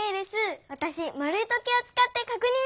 わたしまるい時計をつかってかくにんしてみたい！